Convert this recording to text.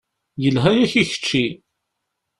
Yelha-yak i kečči.